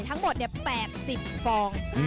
ทั้งหมด๘๐ฟอง